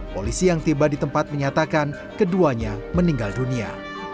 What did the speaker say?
polisi yang tiba di tempat menyatakan keduanya meninggal dunia